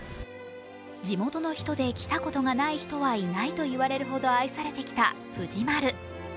地元の人で来たことがない人はいないと言われるほど愛されてきた藤丸。